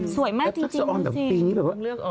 สวยมากจริงน่าสิ